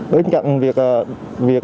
bên cạnh việc